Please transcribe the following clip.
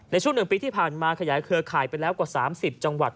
ในช่วง๑ปีที่ผ่านมาขยายเครือข่ายไปแล้วกว่า๓๐จังหวัด